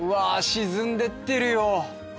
沈んでってるよ。